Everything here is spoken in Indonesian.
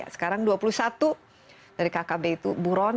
sekarang dua puluh satu dari kkb itu buron